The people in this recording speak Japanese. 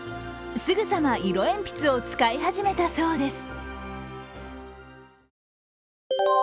すぐさま色鉛筆を使い始めたそうです。